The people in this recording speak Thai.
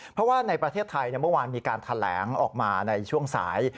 เพราะว่าในประเทศไทยเมื่อวานมีการแถลงออกมาในช่วงสาย